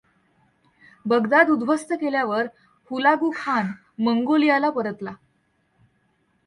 Baghdad उद्ध्वस्त केल्यावर Hulagu Khan मंगोलियाला परतला.